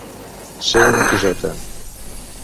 Ser un acuseta.